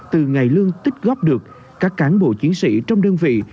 từ ngày lương tích góp được các cán bộ chiến sĩ trong đơn vị